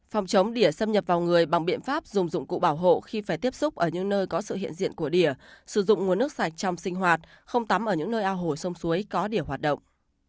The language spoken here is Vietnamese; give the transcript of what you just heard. phòng chống đỉa xâm nhập vào người bằng biện pháp dùng dụng cụ bảo hộ khi phải tiếp xúc ở những nơi có sự hiện diện của đỉa sử dụng nguồn nước sạch trong sinh hoạt không tắm ở những nơi ao hồ sông suối có địa hoạt động